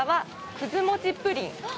くず餅プリン！